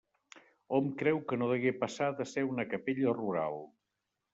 Hom creu que no degué passar de ser una capella rural.